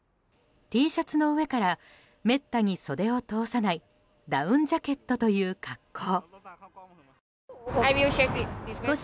Ｔシャツの上からめったに袖を通さないダウンジャケットという格好。